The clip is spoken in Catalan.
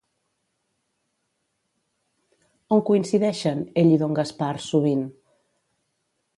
On coincideixen, ell i don Gaspar, sovint?